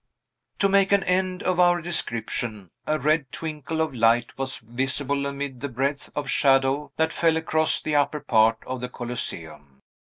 To make an end of our description, a red twinkle of light was visible amid the breadth of shadow that fell across the upper part of the Coliseum.